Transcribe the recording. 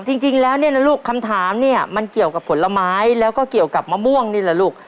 จริงแล้วเนี่ยนะลูกคำถามเนี่ยมันเกี่ยวกับผลไม้แล้วก็เกี่ยวกับมะม่วงนี่แหละลูก